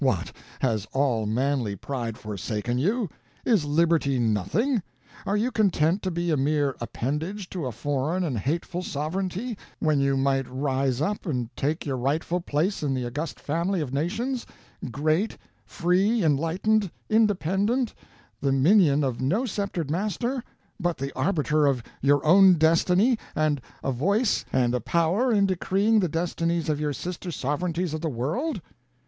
What! has all manly pride forsaken you? Is liberty nothing? Are you content to be a mere appendage to a foreign and hateful sovereignty, when you might rise up and take your rightful place in the august family of nations, great, free, enlightened, independent, the minion of no sceptered master, but the arbiter of your own destiny, and a voice and a power in decreeing the destinies of your sister sovereignties of the world?"